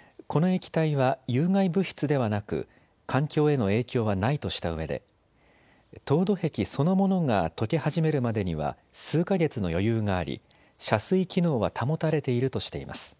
東京電力はこの液体は有害物質ではなく環境への影響はないとしたうえで凍土壁そのものがとけ始めるまでには数か月の余裕があり遮水機能は保たれているとしています。